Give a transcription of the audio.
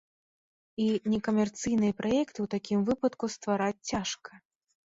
І некамерцыйныя праекты ў такім выпадку ствараць цяжка.